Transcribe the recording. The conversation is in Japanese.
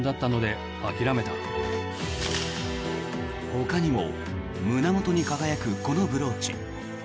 ほかにも胸元に輝くこのブローチ。